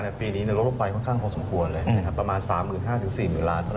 ปีนี้ลดลงไปค่อนข้างพอสมควรเลยประมาณ๓๕๐๐๔๐๐๐ล้านเท่านั้น